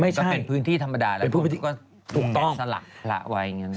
ไม่ใช่ก็เป็นพื้นที่ธรรมดาเป็นพื้นที่ถูกต้องก็แกะสลักละไว้อย่างนี้